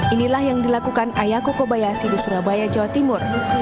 inilah yang dilakukan ayako kobayasi di surabaya jawa timur